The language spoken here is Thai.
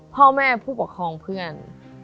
พ่อแม่ผู้ปกครองเพื่อน